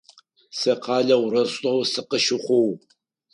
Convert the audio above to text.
Сэ къалэу Ростов сыкъыщыхъугъ.